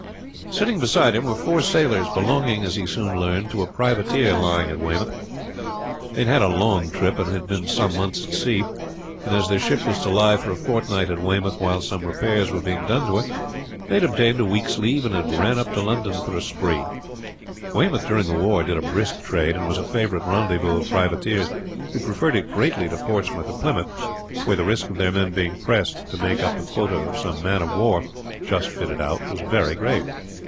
Sitting beside him were four sailors, belonging, as he soon learned, to a privateer lying at Weymouth. They had had a long trip, and had been some months at sea; and as their ship was to lie for a fortnight at Weymouth while some repairs were being done to her, they had obtained a week's leave and had ran up to London for a spree. Weymouth during the war did a brisk trade, and was a favorite rendezvous of privateers, who preferred it greatly to Portsmouth or Plymouth, where the risk of their men being pressed to make up the quota of some man of war just fitted out was very great.